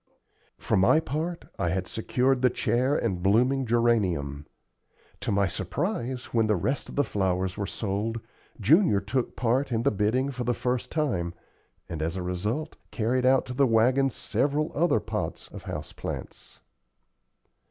For my part, I had secured the chair and blooming geranium. To my surprise, when the rest of the flowers were sold, Junior took part in the bidding for the first time, and, as a result, carried out to the wagon several other pots of house plants.